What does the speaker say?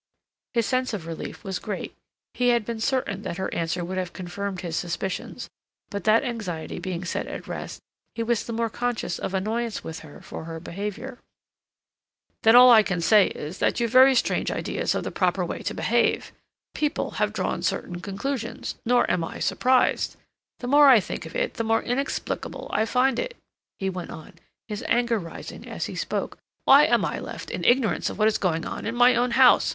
His sense of relief was great; he had been certain that her answer would have confirmed his suspicions, but that anxiety being set at rest, he was the more conscious of annoyance with her for her behavior. "Then all I can say is that you've very strange ideas of the proper way to behave.... People have drawn certain conclusions, nor am I surprised.... The more I think of it the more inexplicable I find it," he went on, his anger rising as he spoke. "Why am I left in ignorance of what is going on in my own house?